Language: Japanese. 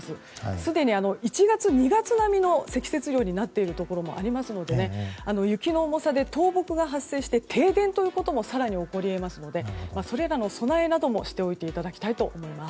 すでに１月、２月並みの積雪量になっているところもありますので雪の重さで倒木が発生して停電ということも更に起こりえますのでそれらの備えなどもしていただきたいと思います。